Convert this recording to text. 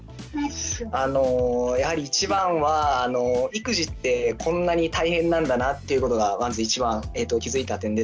あのやはり一番は育児ってこんなに大変なんだなっていうことがまず一番気付いた点です。